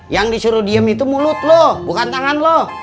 yang disuruh diem itu mulut lo bukan tangan lo